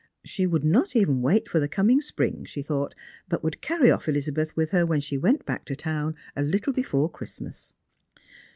She would not even wait for the coming spring, she thought; but would carry off Elizabeth with her when she went back to town a little before Christmas.